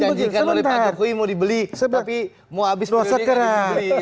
dijanjikan oleh pak jokowi mau dibeli tapi mau habis periode kan dibeli